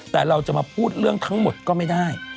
แต่เราจะมาพูดเรื่องทั้งหมดก็ไม่ได้